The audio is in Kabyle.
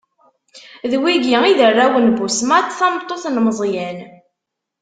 D wigi i d arraw n Busmat, tameṭṭut n Meẓyan.